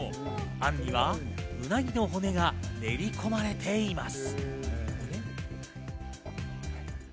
あんには、うなぎの骨が練り込まれています。